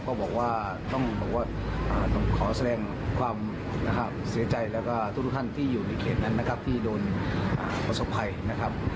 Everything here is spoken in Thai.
ก็บอกว่าต้องบอกว่าต้องขอแสดงความเสียใจแล้วก็ทุกท่านที่อยู่ในเขตนั้นนะครับที่โดนประสบภัยนะครับ